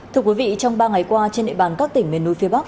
thưa quý vị trong ba ngày qua trên địa bàn các tỉnh miền núi phía bắc